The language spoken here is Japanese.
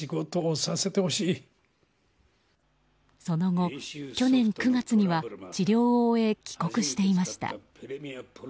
その後、去年９月には治療を終え帰国していました。